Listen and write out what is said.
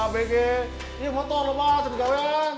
bantuan apa bang